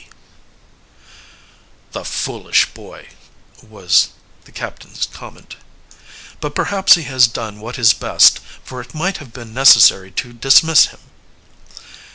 "D. B." "The foolish boy," was the captain's comment. "But perhaps he has done what is best, for it might have been necessary to dismiss him."